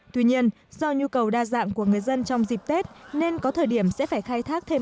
tuy nhiên do nhu cầu đa dạng của người dân trong dịp tết nên có thời điểm sẽ phải khai thác thêm